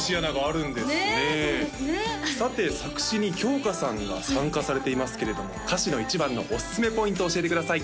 そうですねさて作詞にきょうかさんが参加されていますけれども歌詞の一番のおすすめポイント教えてください